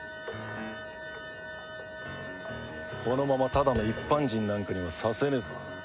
このままただの一般人なんかにはさせねえぞ。